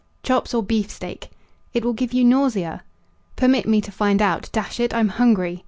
"Chops or beefsteak!" "It will give you nausea." "Permit me to find out. Dash it, I'm hungry!"